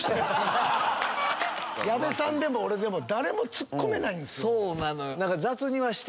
矢部さんでも俺でも誰もツッコめないんすよ。